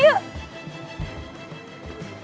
ya udah makanya yuk